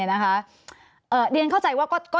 สวัสดีครับทุกคน